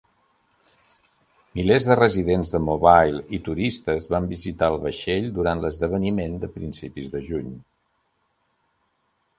Milers de residents de Mobile i turistes van visitar el vaixell durant l'esdeveniment de principis de juny.